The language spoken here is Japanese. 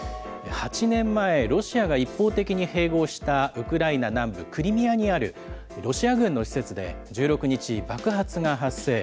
８年前、ロシアが一方的に併合したウクライナ南部クリミアにある、ロシア軍の施設で、１６日、爆発が発生。